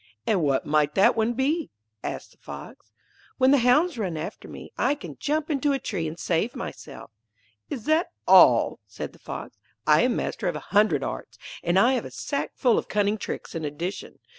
'And what might that one be?' asked the Fox. 'When the hounds run after me, I can jump into a tree and save myself.' 'Is that all?' said the Fox. 'I am master of a hundred arts, and I have a sack full of cunning tricks in addition.